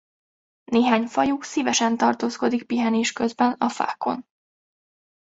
Néhány fajuk szívesen tartózkodik pihenés közben a fákon.